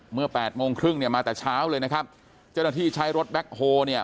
แปดโมงครึ่งเนี่ยมาแต่เช้าเลยนะครับเจ้าหน้าที่ใช้รถแบ็คโฮลเนี่ย